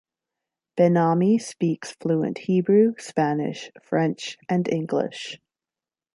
Ben-Ami speaks fluent Hebrew, Spanish, French and English.